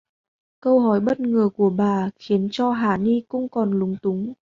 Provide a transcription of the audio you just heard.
Câu hỏi bất ngờ của bà khiến cho hả ni cũng còn lúng túng